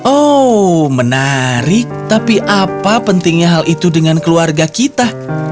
oh menarik tapi apa pentingnya hal itu dengan keluarga kita